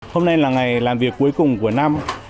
hôm nay là ngày làm việc cuối cùng của năm